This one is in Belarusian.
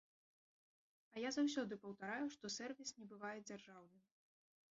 А я заўсёды паўтараю, што сэрвіс не бывае дзяржаўным.